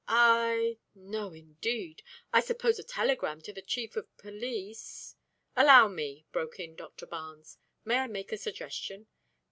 "I No, indeed! I suppose a telegram to the chief of police " "Allow me," broke in Doctor Barnes. "May I make a suggestion?"